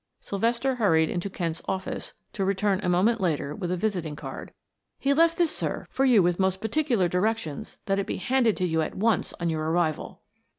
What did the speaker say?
Sylvester hurried into Kent's office, to return a moment later with a visiting card. "He left this, sir, for you with most particular directions that it be handed to you at once on your arrival."